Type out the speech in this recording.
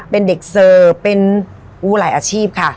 เป็นเด็กเสิร์ฟเป็นหลายอาชีพค่ะ